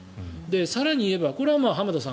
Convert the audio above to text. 更に言えば、これは浜田さん